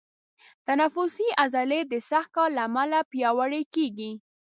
تنفسي عضلې د سخت کار له امله پیاوړي کېږي.